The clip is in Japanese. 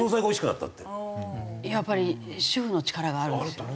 やっぱり主婦の力があるんですよ。